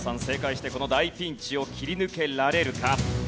正解してこの大ピンチを切り抜けられるか？